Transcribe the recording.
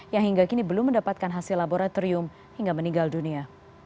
yang hingga kini belum mendapatkan hasil laboratorium hingga meninggal dunia